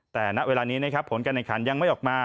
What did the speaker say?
แต่ณเวลานี้นะครับผลการแข่งขันยังไม่ออกมา